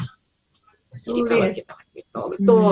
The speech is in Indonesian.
jadi kalau kita lihat gitu